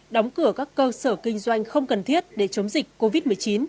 đóng cửa các cơ sở kinh doanh không cần thiết để chống dịch covid một mươi chín